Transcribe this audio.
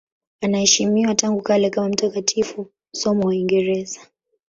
Anaheshimiwa tangu kale kama mtakatifu, somo wa Uingereza.